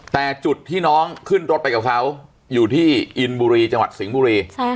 แต่จุดที่น้องคนรถไปกับเขาอยู่ที่อิลบุรี